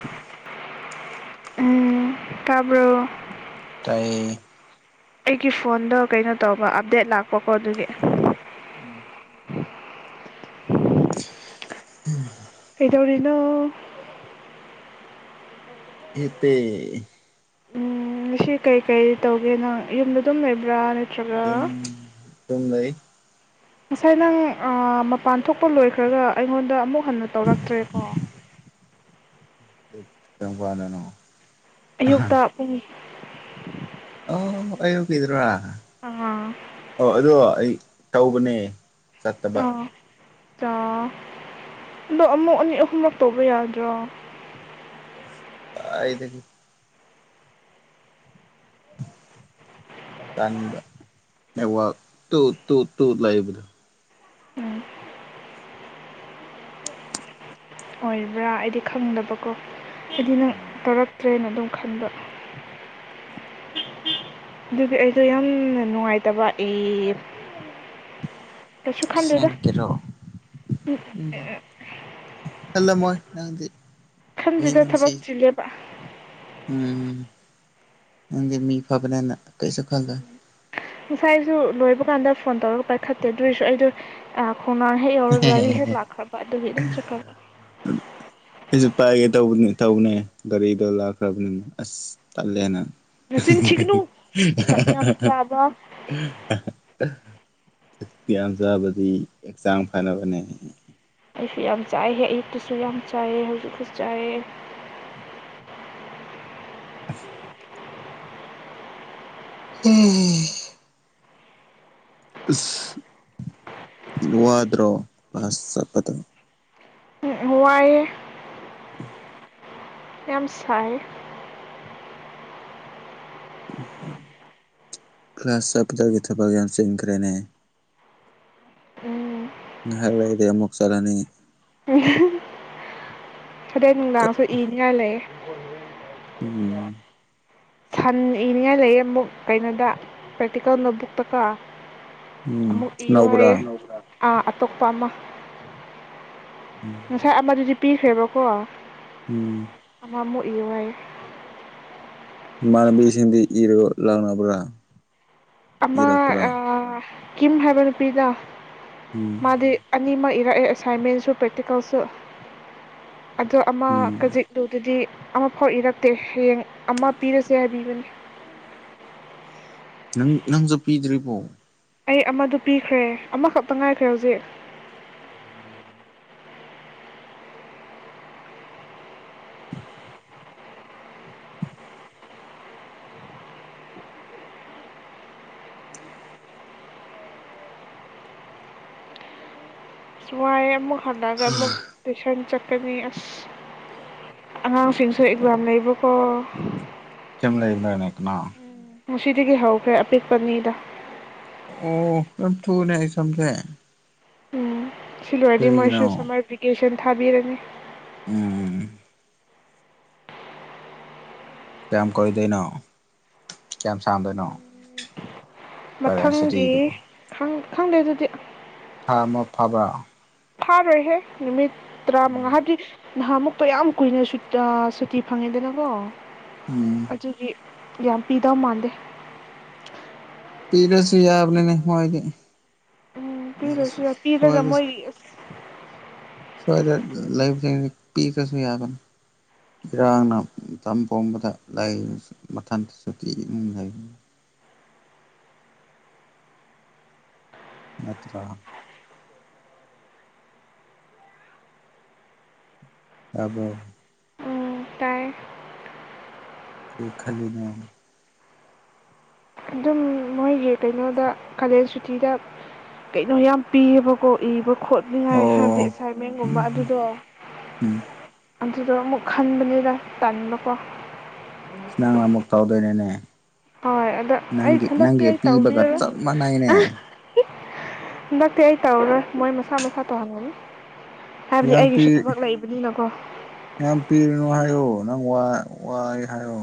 [unintelligible] ꯎꯝ ꯇꯥꯕ꯭ꯔꯣ ꯇꯥꯏꯌꯦ ꯑꯩꯒꯤ ꯐꯣꯟꯗꯣ ꯀꯩꯅꯣ ꯇꯧꯕ ꯑꯞꯗꯦꯠ ꯂꯥꯛꯄꯀꯣ ꯑꯗꯨꯒꯤ ꯎꯝ ꯀꯩꯗꯧꯔꯤꯅꯣ ꯍꯤꯞꯄꯤ ꯁꯤ ꯀꯩꯀꯩ ꯇꯧꯒꯦ ꯅꯪ ꯌꯨꯝꯗ ꯑꯗꯨꯝ ꯂꯩꯕ꯭ꯔꯥ ꯅꯠꯇ꯭ꯔꯒ ꯌꯨꯝ ꯂꯩ ꯉꯁꯥꯏ ꯅꯪ ꯃꯄꯥꯟ ꯊꯣꯛꯄ ꯂꯣꯏꯈ꯭ꯔꯒ ꯑꯩꯉꯣꯟꯗ ꯑꯃꯨꯛ ꯍꯟꯅ ꯇꯧꯔꯛꯇ꯭ꯔꯦꯀꯣ ꯀꯝꯀꯥꯟꯗꯅꯣ ꯑꯌꯨꯛꯇ ꯄꯨꯡ ꯑꯣ ꯑꯌꯨꯛꯀꯤꯗꯨꯔꯥ ꯑꯥ ꯑꯣ ꯑꯗꯣ ꯑꯩ ꯇꯧꯕꯅꯦ ꯆꯠꯇꯕ ꯑꯥ ꯑꯗꯣ ꯑꯃꯨꯛ ꯑꯅꯤ ꯑꯍꯨꯝꯔꯛ ꯇꯧꯕ ꯌꯥꯗ꯭ꯔꯣ ꯑ ꯏꯗꯗꯒꯤ ꯀ ꯋꯥ ꯇ ꯇ ꯇ ꯂꯗꯨ ꯎꯝ ꯑꯣꯏꯕ꯭ꯔꯥ ꯑꯩꯗꯤ ꯈꯪꯗꯕꯀꯣ ꯍꯥꯏꯗꯤ ꯅꯪ ꯇꯧꯔꯛꯇ꯭ꯔꯦꯅ ꯑꯗꯨꯝ ꯈꯟꯕ ꯑꯗꯨꯒꯤ ꯑꯩꯗꯣ ꯌꯥꯝ ꯅꯨꯡꯉꯥꯏꯇꯕ ꯑꯩ ꯀꯩꯁꯨ ꯈꯪꯗꯦꯏꯗ ꯑꯁꯦꯡꯀꯤꯔꯣ ꯍꯜꯂꯃꯣ ꯅꯥꯟꯗꯤ ꯈꯟꯗꯨꯗ ꯊꯕꯛ ꯆꯤꯂꯦꯕ ꯎꯝꯪ ꯃꯤ ꯐꯕꯅꯦꯅ ꯀꯩꯁꯨ ꯈꯜꯗ ꯉꯁꯥꯏꯁꯨ ꯂꯣꯏꯕ ꯀꯥꯟꯗ ꯐꯣꯟ ꯇꯧꯔꯒ ꯄꯥꯏꯈꯠꯇꯦ ꯑꯗꯨꯏꯁꯨ ꯑꯩꯗꯣ ꯈꯣꯡꯅꯥꯟ ꯍꯦꯛ ꯌꯧꯔꯒ ꯒꯥꯔꯤ ꯍꯦꯛ ꯂꯥꯛꯈ꯭ꯔꯕ ꯑꯗꯨ ꯍꯦꯛ ꯑꯗꯨꯝ ꯆꯠꯈ꯭ꯔꯕ ꯊꯧꯅꯦ ꯒꯥꯔꯤꯗꯣ ꯂꯥꯛꯈ꯭ꯔꯕꯅꯤꯅ ꯑꯁ ꯇꯠꯂꯦꯅ ꯅꯆꯤꯟ ꯊꯤꯒꯅꯨ ꯆꯥꯛ ꯌꯥꯝ ꯆꯥꯕ [inaudible] ꯀꯌꯥꯝ ꯆꯥꯕꯗꯤ ꯆꯥꯡ ꯐꯅꯕꯅꯦ ꯑꯩꯁꯨ ꯌꯥꯝ ꯆꯥꯏ ꯍꯦꯛ ꯑꯌꯨꯛꯇꯨꯁꯨ ꯌꯥꯝ ꯆꯥꯏꯑ ꯍꯧꯖꯤꯛꯁꯨ ꯆꯥꯏꯑ [inaudible] ꯎꯝ ꯂꯋꯥꯗ꯭ꯔꯣ ꯋꯥꯏ ꯎꯝ ꯑꯦꯝꯁꯥꯏ ꯀ꯭ꯂꯥꯁ ꯆꯕꯗꯒꯤ ꯊꯕꯛ ꯌꯥꯝ ꯌꯥꯝ ꯆꯟꯈ꯭ꯔꯦꯅꯦ ꯎꯝ ꯍ ꯂꯩꯗꯤ ꯑꯃꯃꯨꯛ ꯆꯂꯅꯤ ꯎ ꯑꯗꯨꯗꯩ ꯅꯨꯡꯗꯥꯡꯁꯨ ꯏꯅꯤꯡꯉꯥꯏ ꯂꯩꯌꯦ ꯀꯣꯟ [unintelligible] ꯎꯝ ꯁꯟ ꯏꯅꯤꯡꯉꯥꯏ ꯂꯩꯌꯦ ꯑꯃꯨꯛ ꯀꯩꯅꯣꯗ ꯄ꯭ꯔꯦꯛꯇꯤꯀꯦꯜ ꯅꯣꯕꯨꯛꯇꯀꯣ ꯎꯝ ꯑꯃꯨꯛ ꯏꯌꯣ ꯍꯥꯏ ꯌꯦ ꯅꯧꯕ꯭ꯔꯥ ꯥ ꯑꯇꯣꯞꯄ ꯑꯃ ꯉꯁꯥꯏ ꯑꯃꯥ ꯑꯗꯨꯗꯤ ꯄꯈ ꯍꯕ ꯀꯣ ꯑ ꯎꯝ ꯄꯨꯏ ꯃꯅꯕꯤ ꯍꯤꯟꯗꯤ ꯏꯔꯒꯣ ꯂꯥꯎꯅꯕ꯭ꯔꯥ ꯑꯃ ꯑ ꯀꯝ ꯍꯥꯏꯕ ꯅꯨꯄꯤꯗ ꯎꯝ ꯃꯥꯗꯤ ꯑꯅꯤꯃ ꯂꯛꯑꯦ ꯑꯦꯁꯥꯏꯟꯃꯦꯟꯁꯨ ꯄ꯭ꯔꯦꯛꯇꯤꯀꯦꯜꯁꯨ ꯑꯗꯣ ꯑꯃ ꯎꯝ ꯀꯖꯤꯛꯂꯨꯗꯗꯤ ꯑꯃꯐꯥꯎ ꯏꯔꯛꯇꯦ ꯍꯌꯦꯡ ꯑꯃ ꯄꯤꯔꯁꯦ ꯍꯥꯏꯕꯤꯕꯅꯤ ꯅꯪ ꯅꯪꯁꯨꯠꯄꯤꯗ꯭ꯔꯤꯔꯤꯕꯣ ꯑꯩ ꯑꯃꯗꯨ ꯄꯤꯈ꯭ꯔꯦ ꯑꯃꯈꯛꯇ ꯉꯥꯏꯈ꯭ꯔꯦ ꯍꯧꯖꯤꯛ ꯁꯃꯥꯏ ꯑꯃ ꯍꯥꯟꯅꯒ ꯑꯃꯨꯛ ꯇꯨꯁꯟ ꯆꯠ ꯀꯅꯤ ꯑꯁ ꯑꯉꯥꯡꯁꯤꯡꯁꯨ ꯑꯦꯛꯖꯥꯝ ꯂꯩꯕꯀꯣ ꯂꯩꯕ꯭ꯔꯅꯦ ꯀ ꯉꯁꯤꯗꯒꯤ ꯍꯧꯈ꯭ꯔꯦ ꯑꯄꯤꯛꯄ ꯃꯤꯗ ꯑꯣ ꯑ ꯊꯨꯅꯦ ꯁꯖꯦ ꯎꯝ ꯁꯤꯗꯤ ꯃꯀꯦꯁꯟ ꯊꯥꯕꯤꯔꯅꯤ ꯎꯝ ꯀꯌꯥꯝ ꯀꯣꯏꯗꯣꯏꯅꯣ ꯀꯌꯥꯝꯌꯥꯝ ꯁꯥꯟꯗꯣꯏꯅꯣ ꯃꯊꯪꯒꯤ ꯈꯪ ꯈꯪꯗꯦ ꯑꯗꯨꯗꯤ ꯍꯥ ꯃ ꯐꯕ ꯊꯥ ꯑꯣꯏꯍꯤꯦ ꯅꯨꯃꯤꯠ ꯇꯔꯥ ꯃꯉ ꯍꯥꯏꯒꯤ ꯅꯍꯥꯃꯨꯛꯇꯣ ꯌꯥꯝ ꯀꯨꯏꯅ ꯁꯨꯇꯤ ꯐꯪꯉꯦꯗꯅꯀꯣ ꯎꯝ ꯑꯗꯨꯒꯤ ꯌꯥ ꯄꯤꯗ ꯃꯥꯥꯟꯗ ꯄꯤꯔꯁꯨ ꯌꯥꯕꯅꯤꯅꯦ ꯃꯣꯏꯗꯤ ꯎꯝ ꯐ ꯁꯁꯨ ꯐꯤꯗ ꯁ꯭ꯋꯥꯏꯗ ꯀꯃ ꯁ꯭ꯋꯥꯏꯗ ꯂꯩꯕꯁꯤꯡ ꯄꯤꯈ꯭ꯔꯁꯨ ꯌꯥꯒꯅꯤ ꯏꯔꯥꯡꯅ ꯃꯇꯝ ꯄꯣꯡꯕꯗ ꯂꯥꯏꯁꯨ ꯃꯊꯟꯇ ꯁꯨꯇꯤꯒꯤ ꯏꯃꯨꯡ ꯂꯩꯕꯅꯤ ꯅꯠꯇ꯭ꯔꯥ ꯑꯕ ꯎꯝ ꯇꯥꯏ ꯀ ꯈꯜꯂꯤꯗ ꯑꯗꯨꯝ ꯃꯣꯏꯒꯤ ꯀꯩꯅꯣꯗ ꯀꯥꯂꯦꯖ ꯁꯨꯇꯤꯗ ꯀꯩꯅꯣ ꯌꯥꯝ ꯄꯤꯌꯦꯕꯀꯣ ꯏꯕꯣ ꯈꯣꯠꯅꯤꯉꯥꯏ ꯍꯥꯏꯕꯗꯤ ꯑꯣ ꯑꯦꯁꯥꯏꯟꯃꯦꯟꯒꯨꯝꯕ ꯎꯝ ꯑꯗꯨꯗꯣ ꯎꯝ ꯑꯗꯨꯗꯣ ꯑꯃꯨꯛ ꯈꯟꯕꯅꯤꯅ ꯇꯅꯤꯡꯕꯀꯣ ꯏꯁꯅꯥꯡꯅ ꯃꯨꯛꯇ ꯇ ꯍꯗꯣꯏꯅꯅꯦ ꯍꯣꯏ ꯑꯗ ꯑꯩ ꯍꯟꯗꯛꯇꯤ ꯑꯩ ꯄꯤꯕꯒ ꯇꯧꯕꯤꯔ ꯆꯞ ꯃꯥꯟꯅꯩꯅꯦ ꯍꯟꯗꯛꯇꯤ ꯑꯩ ꯇꯧꯔꯔꯣꯏ ꯃꯣꯏ ꯃꯁꯥ ꯃꯁꯥ ꯇꯧꯍꯟꯒꯅꯤ ꯍꯥꯏꯕꯗꯤ ꯌꯥꯝ ꯄꯤ ꯑꯩꯒꯤꯁꯨ ꯊꯕꯛ ꯂꯩꯕꯅꯤꯅꯀꯣ ꯌꯥꯝ ꯄꯤꯔꯨꯅꯨ ꯍꯥꯏꯌꯣ ꯅꯪ ꯋꯥ ꯋꯥꯏ ꯍꯥꯏꯣ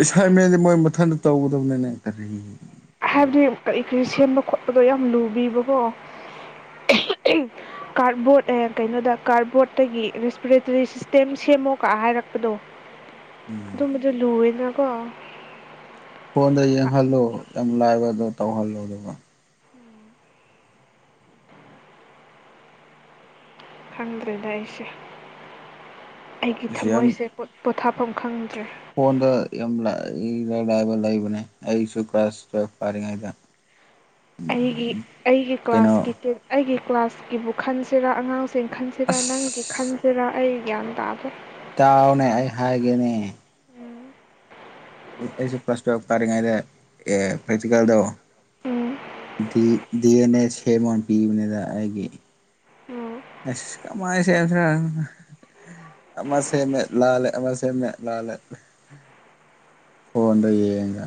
ꯑꯦꯁ ꯃ ꯃꯣꯏ ꯃꯊꯟꯇ ꯇꯧꯒꯗꯕꯅꯤꯅꯦ ꯀꯔꯤ ꯍꯥꯏꯕꯗꯤ ꯀꯔꯤ ꯀꯔꯤ ꯁꯦꯝꯕ ꯈꯣꯠꯄꯗꯣ ꯌꯥꯝ ꯂꯨꯕꯤꯕꯀꯣ ꯀꯥꯔꯠꯕꯣꯔꯗ ꯀꯩꯅꯣꯗ ꯀꯥꯔꯠꯕꯣꯔꯠꯇꯒꯤ ꯔꯦꯁꯄꯤꯔꯦꯇꯔꯤ ꯁꯤꯁꯇꯦꯝ ꯁꯦꯝꯃꯣꯀ ꯍꯥꯏꯔꯛꯄꯗꯣ ꯎꯝ ꯑꯗꯨ ꯃꯗ ꯂꯨꯋꯅ ꯀ ꯐꯣꯟꯗ ꯌꯦꯡ ꯍꯜꯂꯣ ꯌꯥꯝ ꯂꯥꯏꯕꯗꯣ ꯇꯧꯍꯜꯂꯣ ꯑꯗꯨꯒ ꯈꯪꯗ꯭ꯔꯦꯗ ꯑꯩꯁꯦ ꯑꯩꯒꯤ ꯑꯁ ꯌꯥꯝ ꯊꯃꯣꯏꯁꯦꯠ ꯄꯣꯊꯥꯐꯝ ꯈꯪꯗ꯭ꯔꯦ ꯐꯣꯟꯗ ꯌꯥꯝ ꯏꯔ ꯂꯥꯏꯕ ꯂꯩꯕꯅꯦ ꯑꯩꯁꯨ ꯀ꯭ꯔꯥꯁꯇ ꯐꯥꯔꯤꯉꯩꯗ ꯑꯩꯒꯤ ꯑꯩꯒꯤ ꯀ꯭ꯂꯥꯁꯀꯤ ꯇ ꯑꯩꯒꯤ ꯀ꯭ꯂꯥꯁꯀꯤꯕꯨ ꯈꯟꯁꯤꯔꯥ ꯑꯉꯥꯡ ꯆꯤꯡꯈꯥꯟꯁꯤꯦꯔꯥ ꯅꯪ ꯈꯤꯈꯥꯟ ꯁꯤꯔ ꯑꯩ ꯒ꯭ꯌꯥꯟ ꯇꯥꯗꯦ ꯇꯥꯎꯅꯦ ꯑꯩ ꯍꯥꯏꯒꯦꯅꯦ ꯎꯝ ꯁ ꯄ꯭ꯂꯁꯨꯔ ꯄꯇꯀꯗꯣ ꯗꯤ ꯗꯤ ꯑꯦꯟ ꯑꯦ ꯁꯦꯝꯃꯟ ꯄꯤꯕꯅꯤꯗ ꯑꯩꯒꯤ ꯎꯝ ꯑꯁ ꯀꯃꯥꯏꯅ ꯁꯦꯝꯗ꯭ꯔ ꯑꯃ ꯁꯦꯝꯃꯦꯠ ꯂꯥꯜꯂꯦ ꯑꯃ ꯁꯦꯝꯃꯦꯠ ꯂꯥꯜꯂꯦ ꯐꯣꯟꯗ ꯌꯦꯡꯉ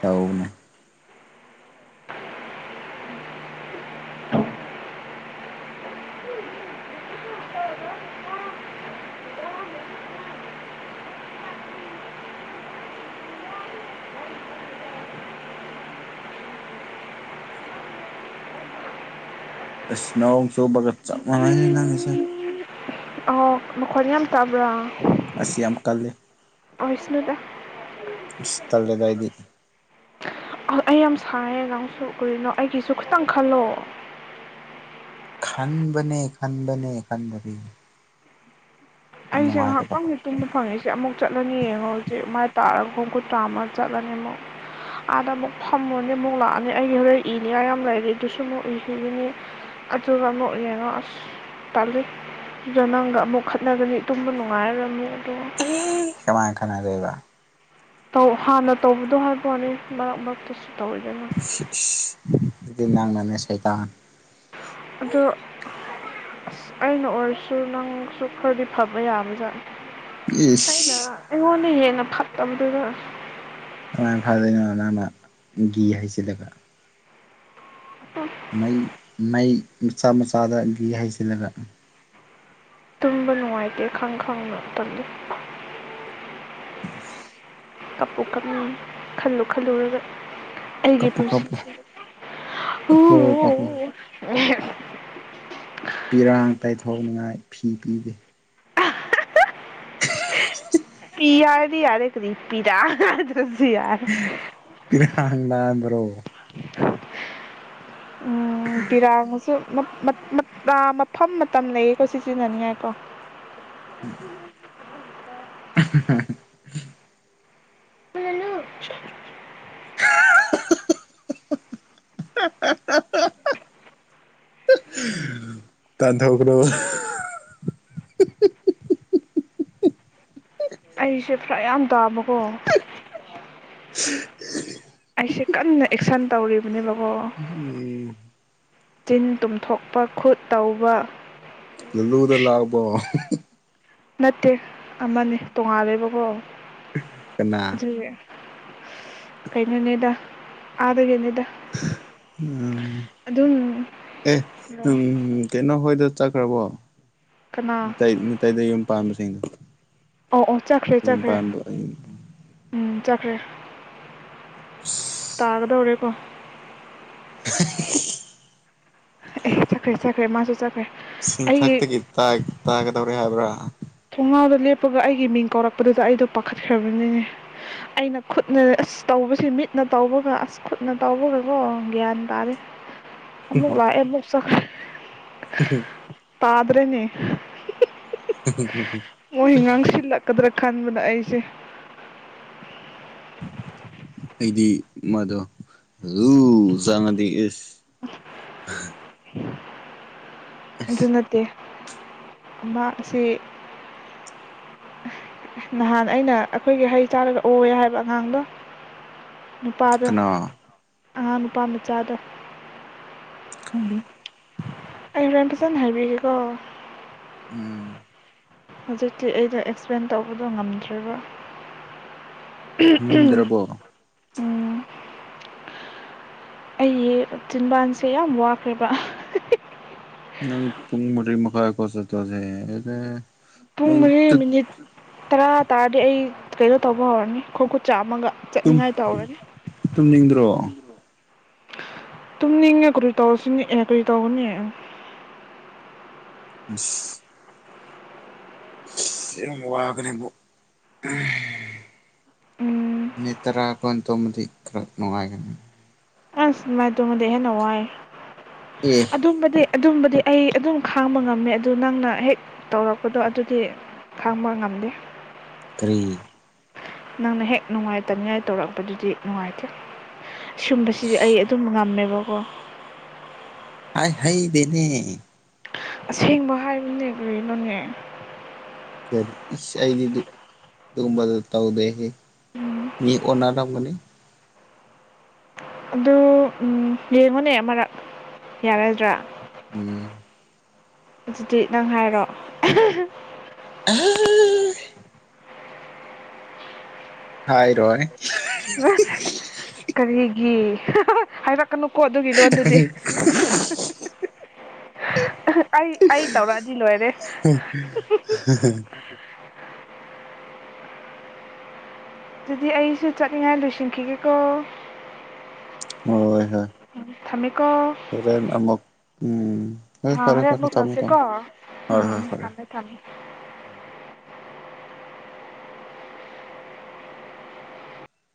ꯇꯧꯅꯦ ꯑꯁ ꯅꯧ ꯆꯣꯕꯒꯠ ꯆꯅ ꯂꯩ ꯅꯪꯅꯦꯁꯦ ꯃꯈꯣꯏ ꯌꯥꯝ ꯇꯥꯕ꯭ꯔꯥ ꯑꯁꯤꯁꯤ ꯌꯥꯝ ꯀꯜꯂꯦ ꯑꯣꯏꯁꯅꯨꯗ ꯇꯜꯂꯦꯗꯏꯗꯤ ꯑꯩ ꯌꯥꯝ ꯁꯔꯦ ꯑꯉꯥꯡꯁꯨ ꯎꯔꯤꯅꯣ ꯑꯩꯒꯤꯁꯨ ꯈꯤꯇꯪ ꯈꯜꯂꯣ ꯈꯟꯕꯅꯦ ꯈꯟꯕꯅꯦ ꯈꯟꯗꯅꯤ ꯑꯩꯁꯦ ꯉꯥꯏꯍꯥꯛꯇꯪꯒꯤ ꯇꯨꯡꯗ ꯐꯪꯉꯁꯦ ꯑꯃꯨꯛ ꯆꯠꯂꯅꯤ ꯌꯦꯡꯉꯣ ꯍꯧꯖꯤꯛ ꯃꯥꯏꯅ ꯇꯥꯔꯒ ꯍꯨꯝ ꯀꯨꯟꯊ꯭ꯔꯥꯃ ꯆꯠꯂꯅꯤ ꯑꯃꯨꯛ ꯑꯥꯗ ꯑꯃꯨꯛ ꯐꯝꯃꯣꯅꯦ ꯑꯃꯨꯛ ꯂꯥꯛꯑꯅꯤ ꯑꯩꯒꯤ ꯍꯣꯔꯦꯟ ꯏꯅꯤꯉꯥꯏ ꯌꯥꯝ ꯂꯩꯔꯤ ꯑꯗꯨꯁꯨ ꯑꯃꯨꯛ ꯏꯈꯤꯒꯅꯤ ꯑꯗꯨꯒ ꯑꯃꯨꯛ ꯌꯦꯡꯉꯣ ꯑꯁ ꯇꯜꯂꯤ ꯑꯗꯨꯗ ꯅꯪꯒ ꯑꯃꯨꯛ ꯈꯠꯅꯒꯅꯤ ꯇꯨꯝꯕ ꯅꯨꯡꯉꯥꯏꯔꯝꯃꯤ ꯑꯦ ꯀꯦꯃꯥ ꯈꯅ ꯀ ꯍꯥꯟꯅ ꯇꯧꯕꯗꯣ ꯍꯥꯏꯕꯣꯅꯦ ꯃꯔꯛ ꯃꯔꯛꯇꯨꯁꯨ [inaudible] ꯑꯗꯨ ꯅꯪꯅ ꯁꯩꯗ ꯑꯣ ꯑꯁ ꯑꯩꯅ ꯑꯣꯏꯔꯁꯨ ꯅꯪꯁꯨ ꯈꯔꯗꯤ ꯐꯕ ꯌꯥꯕꯖꯥꯠ ꯑꯩꯅ ꯏꯁ ꯑꯩꯉꯣꯟꯗ ꯍꯦꯟꯅ ꯀꯝꯄꯗ ꯃꯃꯥꯅ ꯐꯥꯗꯅ ꯃꯥꯃ ꯒꯤꯘ ꯍꯥꯏꯩꯖꯤꯜꯂꯒ ꯃꯩ ꯃꯩ ꯃꯆꯥ ꯃꯆꯥꯗ ꯒꯤ ꯍꯩꯖꯤꯜꯂꯒ ꯇꯨꯝꯕ ꯅꯨꯡꯉꯥꯏꯇꯦ ꯈꯪ ꯈꯪꯕ ꯃꯇꯝꯝꯗ ꯀꯞꯎ ꯀꯞꯅ ꯈꯜꯂꯨ ꯈꯜꯂꯨꯔꯒ ꯑꯩꯒꯤ ꯀꯞꯄꯨ ꯄꯨꯁꯤ ꯀꯞꯄꯨ ꯎ ꯀꯞꯄꯣ ꯀꯞꯄꯣ ꯎ [inaudible] ꯄꯤꯔꯥꯡ ꯇꯩꯊꯣꯛꯅꯤꯉꯥꯏ ꯐꯤ ꯄꯤꯒꯦ [inaudible] ꯄꯤ ꯑꯔꯗꯤ ꯌꯥꯔꯦ ꯀꯔꯤꯄꯤꯤꯗ [unintelligible] ꯄꯔ ꯄꯨ꯭ꯔꯣ ꯄꯤꯔꯥ ꯑꯃꯁꯁꯨ ꯃꯐꯝ ꯃꯇꯝ ꯂꯩꯌꯦꯀꯣ ꯁꯤ ꯁꯤꯖꯤꯟꯅꯅꯤꯡꯉꯥꯏꯀꯣ [inaudible] ꯍꯅꯨ ꯇꯥ ꯊꯔꯣ ꯑꯩꯁꯦ ꯄꯨꯔꯥ ꯌꯥꯝ ꯇꯥꯕꯀꯣ ꯎ [unintelligible] ꯑꯩꯁꯦ ꯀꯟꯅ ꯑꯦꯛꯁꯟ ꯇꯧꯔꯤꯕ ꯎꯝ ꯆꯤꯟ ꯇꯨꯝꯊꯣꯛꯄ ꯈꯨꯠ ꯇꯧꯕ ꯂ ꯂꯗ ꯂꯥꯛꯕꯣ ꯅꯠꯇꯦ ꯑꯃꯅꯦ ꯇꯣꯉꯥꯜꯂꯦꯕꯀꯣ ꯀ ꯀꯩꯅꯣ ꯅꯦꯗꯥ ꯑꯗ ꯀ ꯑꯗꯨꯝ ꯑꯦ ꯎꯝ ꯀꯩꯅꯣ ꯍꯣꯏꯗ ꯆꯠꯈ꯭ꯔꯕꯣ ꯀꯅꯥ ꯇꯥꯏ ꯇꯥꯏꯗ ꯌꯨꯝ ꯄꯥꯝꯃꯤ ꯁꯤꯡ ꯑꯣ ꯑꯣ ꯆꯠꯈ꯭ꯔꯦ ꯆꯠꯈ꯭ꯔꯦ ꯎꯝ ꯆꯦ ꯎꯝ ꯁꯇꯥꯒꯗꯧꯔ ꯄ [unintelligible] [inaudible] ꯑꯦ ꯆꯈ꯭ꯔꯦ ꯆꯈ꯭ꯔꯦ ꯃꯥꯁꯨ ꯆꯈꯦ ꯁꯤ ꯊꯥꯛꯇ ꯇꯥꯛ ꯇ ꯇꯧꯔꯦ ꯍꯥꯏꯕ꯭ꯔꯥ ꯉꯥꯎꯗ ꯂꯦꯞꯄꯒ ꯑꯩꯒꯤ ꯃꯤꯡ ꯀꯧꯔꯛꯄꯗꯨꯗ ꯑꯩꯗꯣ ꯄꯥꯈꯠꯈ꯭ꯔꯕꯅꯤꯅꯦ ꯑꯩꯅ ꯈꯨꯠꯅ ꯑꯁ ꯇꯧꯕꯁꯤ ꯃꯤꯠꯅ ꯇꯧꯕꯒ ꯑꯁ ꯈꯨꯠꯅ ꯇꯧꯕꯒꯀꯣ ꯒ꯭ꯌꯥꯟ ꯇꯥꯔꯦ ꯑꯃꯛ ꯂ ꯑꯦꯕ ꯁꯐ [inaudible] ꯄꯥꯗ꯭ꯔꯦꯅꯤ ꯑꯣ ꯍꯤꯡꯉꯥꯡꯁꯤꯜꯂꯛ ꯀꯗ꯭ꯔꯒ ꯈꯟꯕꯗ ꯑꯩꯁꯦ ꯑꯩꯗꯤ ꯃꯗꯣ ꯂꯨ ꯆꯪꯉꯗꯤꯦ ꯑꯦꯁ [inaudible] ꯑꯗꯨ ꯑꯁ ꯅꯠꯇꯦ ꯃꯥ ꯁꯦ ꯅꯍꯥꯟ ꯑꯩꯅ ꯑꯩꯈꯣꯏꯒꯤ ꯍꯩ ꯆꯥꯔꯒ ꯑꯣꯑ ꯍꯥꯏꯕ ꯑꯉꯥꯡꯗꯣ ꯎꯄꯥꯥꯗ ꯀꯅꯥ ꯑꯍꯥꯡ ꯅꯨꯄꯥ ꯃꯆꯥꯗ ꯀꯗ ꯑꯩ ꯍꯣꯔꯦꯟ ꯐꯖꯅ ꯍꯥꯏꯕꯤꯒꯦꯀꯣ ꯎꯝ ꯍꯧꯖꯤꯛꯇꯤ ꯑꯩꯩꯅ ꯑꯦꯛꯁꯄ꯭ꯂꯦꯟ ꯇꯧꯕꯗꯣ ꯉꯝꯗ꯭꯭ꯔꯔꯤꯕ꯭ꯔꯥ ꯉꯝꯗ꯭ꯔꯕꯣ ꯑꯩ ꯇꯤꯤꯟꯕꯥꯟꯁꯦ ꯌꯥꯝ ꯋꯥꯈ꯭ꯔꯦꯕ ꯅꯪ ꯄ ꯄꯨꯨꯡ ꯃꯔꯤ ꯃꯈ ꯃꯈꯥꯏ ꯀꯣꯁ ꯇꯣꯁꯦ ꯄꯨꯡ ꯃꯔꯤꯦ ꯃꯤꯅꯤꯠ ꯇꯔꯥ ꯇꯥꯔꯗꯤ ꯑꯩ ꯀꯩꯅꯣ ꯇꯧꯕ ꯍꯧꯔꯅꯤ ꯈꯣꯡ ꯈꯨꯠ ꯆꯥꯝꯃꯒ ꯇꯨꯝ ꯆꯠꯅꯤꯡꯉꯥꯏ ꯇꯨꯝꯅꯤꯡꯗ꯭ꯔꯣ ꯇꯝ ꯅꯤꯡꯉꯦ ꯀꯔꯤ ꯇꯧꯁꯤꯅꯦ ꯑꯦ ꯀꯔꯤ ꯇꯧꯒꯅꯤ ꯑꯁ ꯋꯥꯒꯅꯤ ꯀꯣ ꯎꯝ ꯃꯤꯠꯇ꯭ꯔꯥ ꯀꯣꯟ ꯇꯨꯝꯕꯗꯤ ꯈꯔꯥ ꯅꯨꯡꯉꯥꯏꯒꯅꯤ ꯑꯁ ꯅꯨꯡꯃꯥꯏ ꯇꯣꯡꯉꯗ ꯍꯦꯟꯅ ꯋꯥꯏ ꯑꯦ ꯑꯗꯨꯝꯕꯗꯤ ꯑꯗꯨꯝꯕꯗꯤ ꯑꯩ ꯑꯗꯨꯝ ꯈꯥꯡꯕ ꯉꯝꯃꯦ ꯑꯗꯨ ꯅꯪꯅ ꯍꯦꯛ ꯇꯧꯔꯛꯄꯗꯣ ꯑꯗꯨꯗꯤ ꯈꯥꯡꯕ ꯉꯝꯗꯦ ꯀꯔꯤ ꯅꯪꯅ ꯍꯦꯛ ꯅꯨꯡꯉꯥꯏꯇꯅꯤꯡꯉꯥꯏ ꯇꯧꯔꯛꯄꯗꯨꯗꯤ ꯅꯨꯡꯉꯥꯏꯇꯦ ꯁꯒꯨꯝꯕꯁꯤꯗꯤ ꯑꯩ ꯑꯗꯨꯝ ꯉꯝꯃꯦꯕ ꯑꯗꯨꯒꯔꯕꯣ ꯍ ꯍꯩꯗꯦꯅꯦ ꯑꯁꯦꯡꯕ ꯍꯥꯏꯕꯅꯦ ꯀꯔꯤꯅꯣꯅꯦ ꯀꯔꯤ ꯏꯁꯗꯤꯗꯨ ꯝꯕ ꯑꯗꯨ ꯇꯎꯗꯦꯍꯤ ꯎꯝ ꯃꯤ ꯑꯣꯔ ꯃꯅꯤ ꯑꯗꯨ ꯎꯝ ꯌꯦꯡꯉꯨꯅꯦ ꯃꯔꯛ ꯌꯥꯔꯗ꯭ꯔꯥ ꯎꯝ ꯑꯗꯨꯗꯤ ꯅꯪ ꯍꯥꯏꯔꯣ ꯑ ꯍꯥꯏ ꯔꯣꯏ ꯀꯔꯤꯒꯤ ꯍꯥꯏꯔꯛ ꯀꯅꯨꯀꯣ ꯑꯗꯨꯒꯤ ꯂꯣꯟꯗꯨꯗꯤ ꯑꯩ ꯑꯩ ꯇꯧꯔꯛꯑꯗꯤ ꯂꯣꯏꯔꯦ ꯑꯗꯨꯗꯤ ꯑꯩꯁꯨ ꯆꯠꯅꯤꯡꯉꯥꯏ ꯂꯣꯏꯁꯤꯟꯈꯤꯒꯦꯀꯣ ꯍ ꯍꯣꯏ ꯊꯝꯃꯦꯀꯣ ꯍꯔꯦꯟ ꯑꯃꯛ ꯎꯝ ꯍ ꯑꯥ ꯐꯔꯦ ꯍꯣꯔꯦꯟ ꯐꯔꯦ ꯑꯃꯨꯛ ꯇꯝꯣ ꯇꯧꯁꯤꯀꯣ ꯇꯝꯣ ꯍ ꯎꯝ ꯍꯣꯏ ꯎꯝ ꯐꯔꯦ ꯊꯝꯃꯦ ꯊꯝꯃꯦ